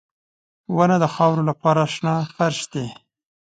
• ونه د خاورو لپاره شنه فرش دی.